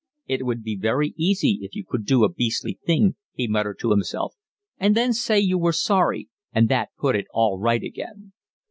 "It would be very easy if you could do a beastly thing," he muttered to himself, "and then say you were sorry, and that put it all right again."